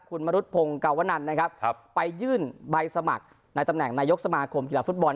คุณมรุษพงศ์กาวนันนะครับไปยื่นใบสมัครในตำแหน่งนายกสมาคมกีฬาฟุตบอล